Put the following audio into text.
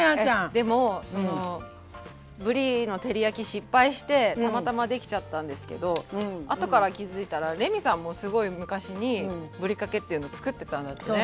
でもそのぶりの照り焼き失敗してたまたまできちゃったんですけど後から気付いたらレミさんもすごい昔にぶりかけっていうの作ってたんだってね。